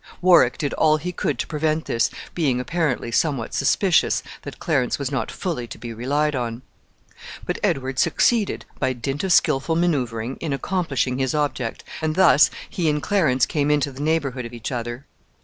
Warwick did all he could to prevent this, being, apparently, somewhat suspicious that Clarence was not fully to be relied on. But Edward succeeded, by dint of skillful manoeuvring, in accomplishing his object, and thus he and Clarence came into the neighborhood of each other.